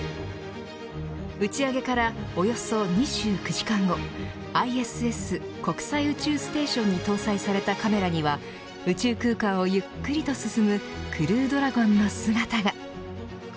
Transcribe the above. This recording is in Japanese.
打ち上げからおよそ２９時間後ＩＳＳ、国際宇宙ステーションに搭載されたカメラには宇宙空間をゆっくりと進むクルードラゴンの姿が。